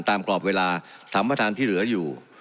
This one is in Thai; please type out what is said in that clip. ตามกรอบเวลา๓ประทานที่เหลืออยู่